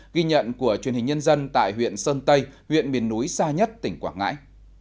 ghi nhận của truyền hình nhân dân tại huyện sơn tây huyện miền núi xa nhất tỉnh quảng ngãi